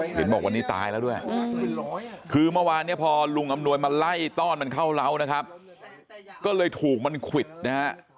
เห็นบอกวันนี้ตายแล้วด้วยคือเมื่อวานเนี่ยพอลุงอำนวยมาไล่ต้อนมันเข้าเล้านะครับก็เลยถูกมันควิดนะฮะ